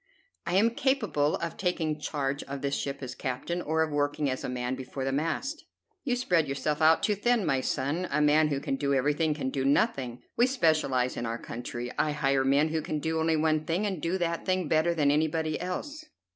"I am capable of taking charge of this ship as captain, or of working as a man before the mast." "You spread yourself out too thin, my son. A man who can do everything can do nothing. We specialize in our country. I hire men who can do only one thing, and do that thing better than anybody else."